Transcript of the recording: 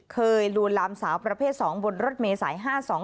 ลวนลามสาวประเภท๒บนรถเมษาย๕๒